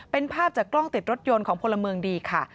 เป็นภาพจากกล้องติดรถยนต์ของพลเมืองดีค่ะ